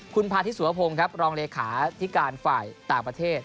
คุณพาธิสุวพงศ์ครับรองเลขาธิการฝ่ายต่างประเทศ